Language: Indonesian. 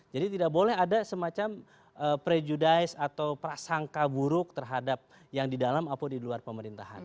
jadi tidak boleh ada semacam prejudice atau prasangka buruk terhadap yang di dalam atau di luar pemerintahan